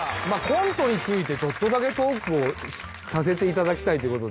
コントについてちょっとだけトークをさせていただきたいと。